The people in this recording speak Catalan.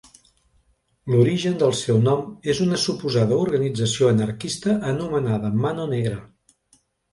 L'origen del seu nom és una suposada organització anarquista anomenada Mano Negra.